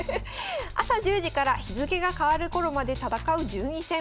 朝１０時から日付けが変わる頃まで戦う順位戦。